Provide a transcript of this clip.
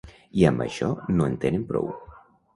I amb això no en tenen prou.